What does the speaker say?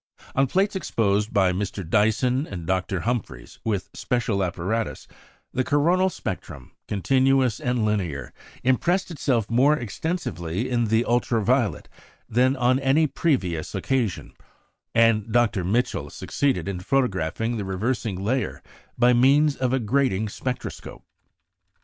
On plates exposed by Mr. Dyson and Dr. Humphrys with special apparatus, the coronal spectrum, continuous and linear, impressed itself more extensively in the ultra violet than on any previous occasion; and Dr. Mitchell succeeded in photographing the reversing layer by means of a grating spectroscope.